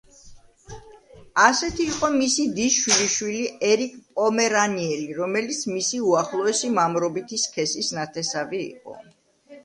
ასეთი იყო მისი დის შვილიშვილი ერიკ პომერანიელი, რომელიც მისი უახლოესი მამრობითი სქესის ნათესავი იყო.